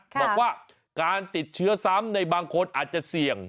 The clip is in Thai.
บอกว่าการติดเชื้อซ้ำในบางคนอาจจะเสี่ยง